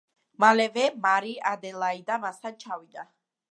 მალევე მარი ადელაიდა მასთან ჩავიდა.